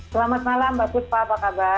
selamat malam mbak puspa apa kabar